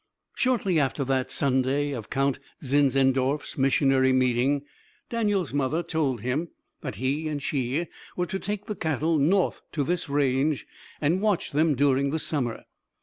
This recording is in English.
Shortly after that Sunday of Count Zinzendorf's missionary meeting Daniel's mother told him that he and she were to take the cattle north to this range, and watch them during the summer.